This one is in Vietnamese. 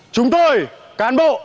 chúng tôi cán bộ